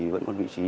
vẫn còn vị trí